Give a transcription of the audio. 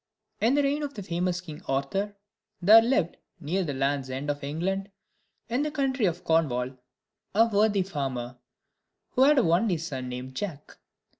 In the reign of the famous King Arthur, there lived, near the Land's End of England, in the county of Cornwall, a worthy farmer, who had an only son named Jack.